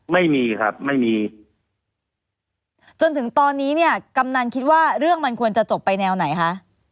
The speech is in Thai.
ไม่มีครับไม่มีจนถึงตอนนี้เนี่ยกำนันคิดว่าเรื่องมันควรจะจบไปแนวไหนคะ